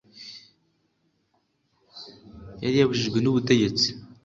yari yabujijwe n’ubutegetsi